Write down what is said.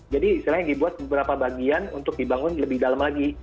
jadi istilahnya dibuat beberapa bagian untuk dibangun lebih dalam lagi